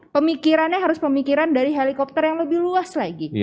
pemikirannya harus pemikiran dari helikopter yang lebih luas lagi